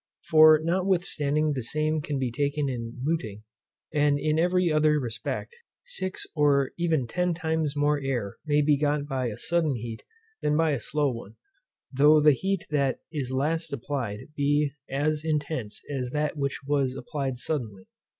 For, notwithstanding the same care be taken in luting, and in every other respect, six or even ten times more air may be got by a sudden heat than by a slow one, though the heat that is last applied be as intense as that which was applied suddenly.